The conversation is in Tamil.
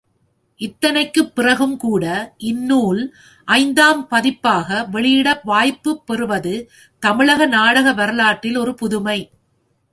இத்தனைக்கும் பிறகும்கூட இந்நூல் ஐந்தாம் பதிப்பாக வெளியிட வாய்ப்புப் பெறுவது தமிழக நாடக வரலாற்றில் ஒரு புதுமை!